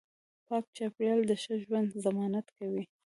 پاک چاپیریال د ښه ژوند ضمانت کوي